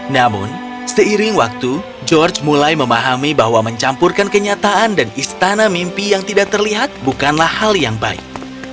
namun seiring waktu george mulai memahami bahwa mencampurkan kenyataan dan istana mimpi yang tidak terlihat bukanlah hal yang baik